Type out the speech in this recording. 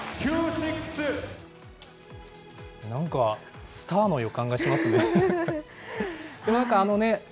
なんか、スターの予感がしますね。